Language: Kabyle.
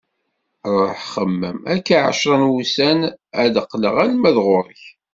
Ruḥ xemmem, akka ɛecra n wussan ad d-qqleɣ alma d ɣur-k.